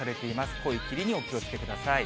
濃い霧にお気をつけください。